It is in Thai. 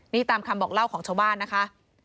นี่ตามคำบอกเล่าของชาวบ้านนะคะ